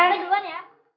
kita duluan ya